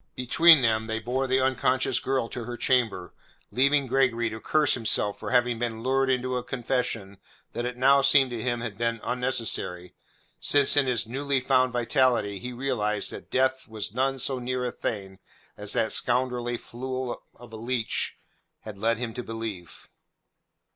Between them they bore the unconscious girl to her chamber, leaving Gregory to curse himself for having been lured into a confession that it now seemed to him had been unnecessary, since in his newly found vitality he realized that death was none so near a thing as that scoundrelly fool of a leech had led him to believe.